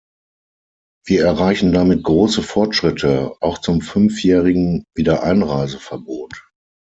Wir erreichen damit große Fortschritte, auch zum fünfjährigen Wiedereinreiseverbot.